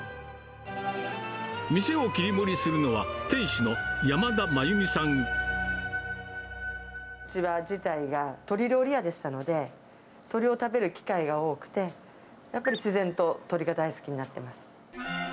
店を切り盛りするのは、うちは実家自体が鶏料理屋でしたので、鶏を食べる機会が多くて、やっぱり自然と鶏が大好きになってます。